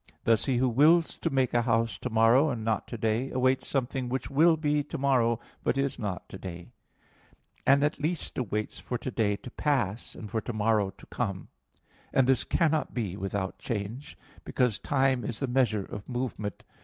Thus he who wills to make a house tomorrow, and not today, awaits something which will be tomorrow, but is not today; and at least awaits for today to pass, and for tomorrow to come; and this cannot be without change, because time is the measure of movement.